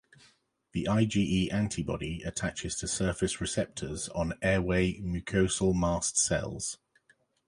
The IgE antibody attaches to surface receptors on airway mucosal mast cells.